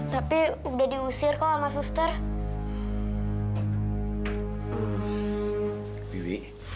tapi kamu sudah diusir oleh s records